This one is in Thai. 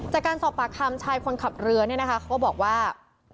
จากการสอบปากคำชายคนน่ามค่อยค่อยเขาบอกว่า